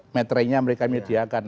metrinya mereka mediakan